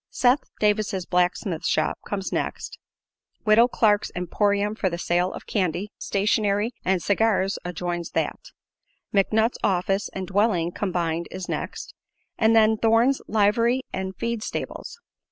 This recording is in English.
Seth Davis' blacksmith shop comes next; Widow Clark's Emporium for the sale of candy, stationery and cigars adjoins that; McNutt's office and dwelling combined is next, and then Thorne's Livery and Feed Stables.